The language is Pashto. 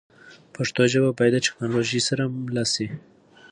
پښتو ژبه باید د ټکنالوژۍ سره مله شي.